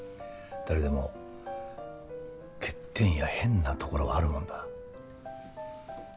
誰でも欠点やヘンなところはあるもんだ。